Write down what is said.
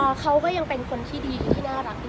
เขาก็ยังเป็นคนที่ดีที่น่ารักอยู่